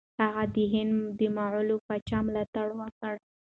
هغه د هند د مغول پاچا ملاتړ وکړ.